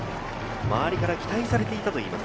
周りから期待されていたといいます。